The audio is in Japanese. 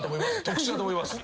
特殊だと思います。